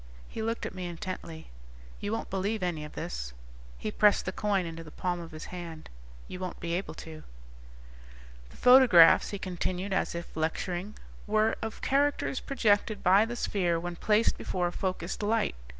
_He looked at me intently. "You won't believe any of this." He pressed the coin into the palm of his hand. "You won't be able to."_ "The photographs," he continued, as if lecturing, "were of characters projected by the sphere when placed before a focused light.